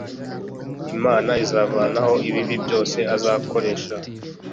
Imana izavanaho ibibi byose azakoresha